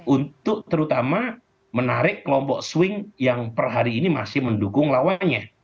untuk terutama menarik kelompok swing yang per hari ini masih mendukung lawannya